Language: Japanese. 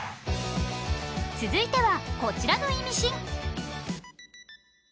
続いては、こちらのイミシン。